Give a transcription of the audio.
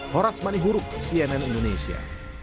horas mani huruf cnn indonesia